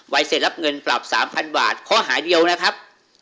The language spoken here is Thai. เสร็จรับเงินปรับ๓๐๐บาทข้อหาเดียวนะครับ